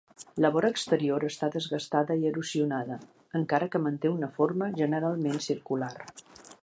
La vora exterior està desgastada i erosionada, encara que manté una forma generalment circular.